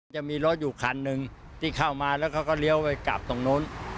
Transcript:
จะมีรถอยู่คันหนึ่งที่เข้ามาแล้วเขาก็เลี้ยวไปกลับตรงนู้น